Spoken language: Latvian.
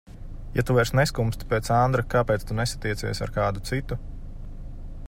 Ja tu vairs neskumsti pēc Andra, kāpēc tu nesatiecies ar kādu citu?